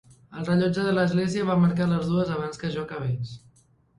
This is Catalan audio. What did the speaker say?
El rellotge de l'església va marcar les dues abans que jo acabés.